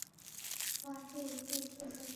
花往往簇生。